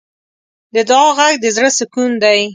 د دعا غږ د زړۀ سکون دی.